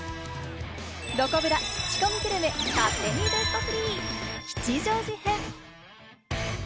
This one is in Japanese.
どこブラ、クチコミグルメ勝手にベスト３、吉祥寺編。